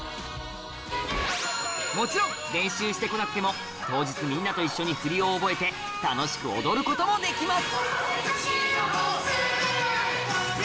もちろん練習してこなくても当日みんなと一緒に振りを覚えて楽しく踊ることもできます！